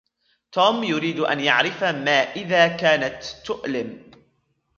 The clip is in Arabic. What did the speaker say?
توم يريد أن يعرف م إذا كانت تؤلِم.